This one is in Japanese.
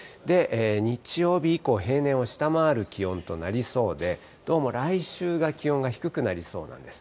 日曜日以降、平年を下回る気温となりそうで、どうも来週が気温が低くなりそうなんです。